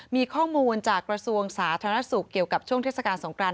มีข้อมูลจากกระทรวงสาธารณสุขเกี่ยวกับช่วงเทศกาลสงคราน